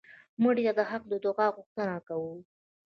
مړه ته د حق د دعا غوښتنه کوو